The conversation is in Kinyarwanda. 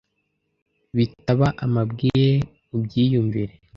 Bitaba amabwire ubyiyumvire